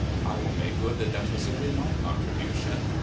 I will make good the deficit in my con tribution.